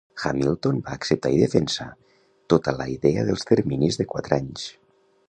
Hamilton va acceptar i defensar tota la idea dels terminis de quatre anys.